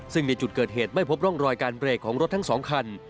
ซึ่งในจุดเกิดเหตุไม่พบร่องรอยการเบรกของรถทั้ง๒คัน